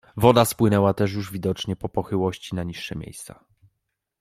Woda spłynęła też już widocznie po pochyłości na niższe miejsca.